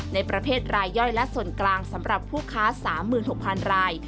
ในประเภทรายย่อยและส่วนกลางสำหรับผู้ค้า๓๖๐๐๐ราย